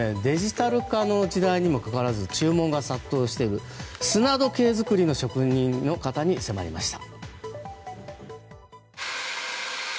今回はデジタル化の時代にもかかわらず注文が殺到している砂時計作りの職人の方に迫りました。